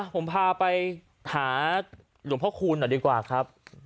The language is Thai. ผมพาไปหาหลวงพ่อคูณหน่อยดีกว่าครับ